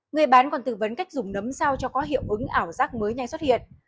người bán còn tư vấn cách dùng nấm sao cho có hiệu ứng ảo rác mới nhanh xuất hiện